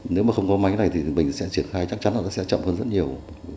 nếu mà không có máy này thì mình sẽ triển khai chắc chắn là nó sẽ chậm hơn rất nhiều